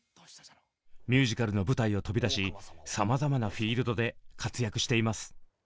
ミュージカルの舞台を飛び出しさまざまなフィールドで活躍しています。